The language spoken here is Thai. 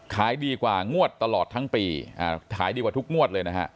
ขายดีกว่างวดตลอดทั้งปีขายดีกว่าทุกงวดเลยนะฮะ